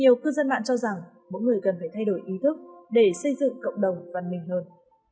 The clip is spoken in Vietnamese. nhiều cư dân mạng cho rằng mỗi người cần phải thay đổi ý thức để xây dựng cộng đồng văn minh hơn